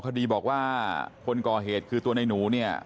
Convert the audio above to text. คดีบอกว่าคนก่อเหตุคือตัวในหนูเนี่ย